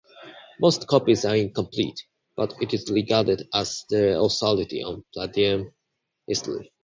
Most copies are incomplete, but it is regarded as the authority on Palladium history.